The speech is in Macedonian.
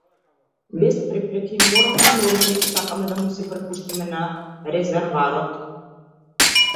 Без препреки и морални норми сакаме да му се препуштиме на развратот.